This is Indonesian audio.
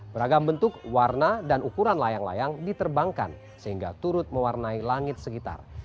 beragam bentuk warna dan ukuran layang layang diterbangkan sehingga turut mewarnai langit sekitar